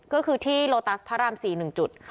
ก็คือที่โลตัสพระราม๔๑จุด